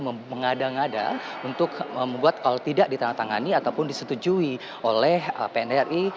mengada ngada untuk membuat kalau tidak ditandatangani ataupun disetujui oleh pnri